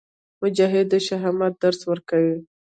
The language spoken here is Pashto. مجاهد د شهامت درس ورکوي.